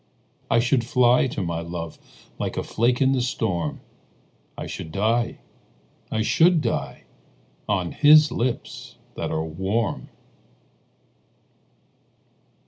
I should fly to my love Like a flake in the storm, I should die, I should die, On his lips that are warm.